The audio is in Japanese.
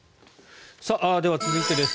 では、続いてです。